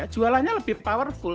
jualannya lebih powerful